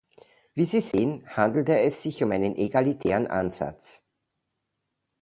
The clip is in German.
Wie Sie sehen, handelte es sich um einen egalitären Ansatz.